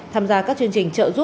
tham gia các chương trình trợ giúp